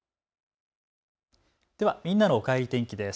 では、みんなのおかえり天気です。